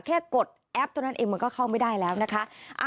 กดแอปเท่านั้นเองมันก็เข้าไม่ได้แล้วนะคะ